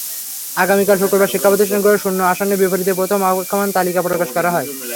আগামীকাল শুক্রবার শিক্ষাপ্রতিষ্ঠানগুলোর শূন্য আসনের বিপরীতে প্রথম অপেক্ষমাণ তালিকা প্রকাশ করা হবে।